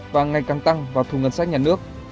và ngày càng tăng vào thu ngân sách nhà nước